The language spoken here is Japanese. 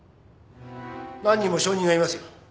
何人も証人がいますよ。